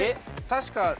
確か。